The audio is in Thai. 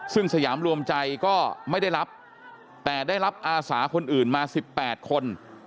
ซึ่งสยามรวมใจก็ไม่ได้รับแต่ได้รับอาสาคนอื่นมา๑๘คน